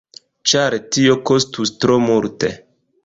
Ĉar tio kostus tro multe.